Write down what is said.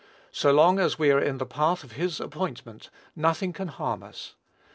So long as we are in the path of his appointment, nothing can harm us.